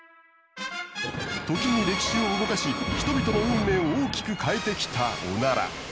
時に歴史を動かし人々の運命を大きく変えてきたオナラ。